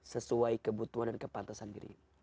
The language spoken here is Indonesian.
sesuai kebutuhan dan kepantasan dirimu